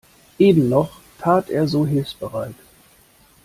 Eben noch tat er so hilfsbereit.